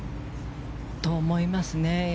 そう思いますね。